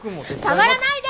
触らないで！